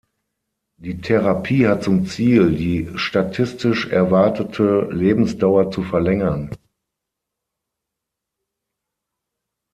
Die Therapie hat zum Ziel, die statistisch erwartete Lebensdauer zu verlängern.